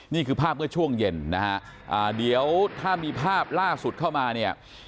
นี่คือภาพเมื่อช่วงเย็นนะฮะเดี๋ยวถ้ามีภาพล่าสุดเข้ามาเนี่ย